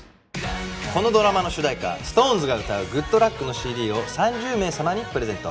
このドラマの主題歌ＳｉｘＴＯＮＥＳが歌う『ＧｏｏｄＬｕｃｋ！』のＣＤを３０名様にプレゼント。